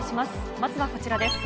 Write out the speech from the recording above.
まずはこちらです。